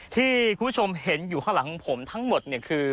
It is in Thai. ที่คุณผู้ชมเห็นอยู่ข้างหลังของผมทั้งหมดเนี่ยคือ